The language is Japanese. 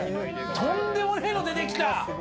とんでもねえの出てきた！